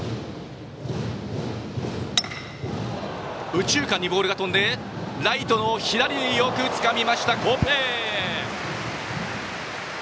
右中間にボールが飛んでライトの齋藤陽よくつかみました！